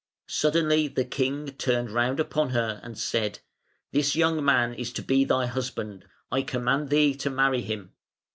Suddenly the king turned round upon her and said: "This young man is to be thy husband, I command thee to marry him".